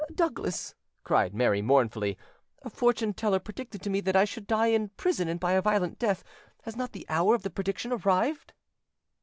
Douglas," cried Mary mournfully, "a fortune teller predicted to me that I should die in prison and by a violent death: has not the hour of the prediction arrived?"